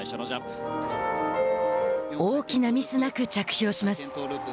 大きなミスなく着氷します。